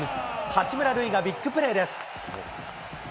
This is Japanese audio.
八村塁がビッグプレーです。